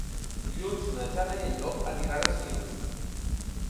Dilluns na Jana i en Llop aniran a Sils.